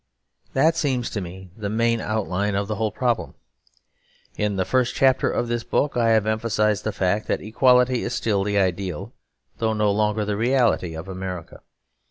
That seems to me the main outline of the whole problem. In the first chapter of this book, I have emphasised the fact that equality is still the ideal though no longer the reality of America.